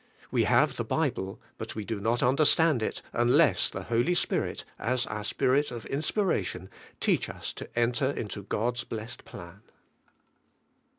We have the Bible, but v/e do not understand it, unless the Holy Spirit, as our Spirit of inspiration, teach us to enter into God's blessed plan.